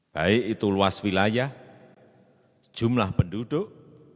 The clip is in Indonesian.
baik itu luas wilayah jumlah penduduk